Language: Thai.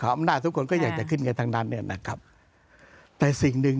อำนาจทุกคนก็อยากจะขึ้นกันทั้งนั้นเนี่ยนะครับแต่สิ่งหนึ่ง